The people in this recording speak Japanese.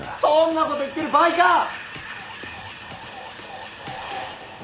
そんなこと言ってる場合か！